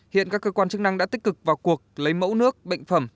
hiện các cơ quan chức năng đã tích cực vào cuộc lấy mẫu nước bệnh phẩm